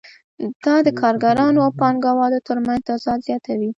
دا د کارګرانو او پانګوالو ترمنځ تضاد زیاتوي